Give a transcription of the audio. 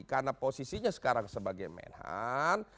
karena posisinya sekarang sebagai men hunt